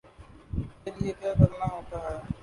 کے لیے کیا کرنا ہوتا ہے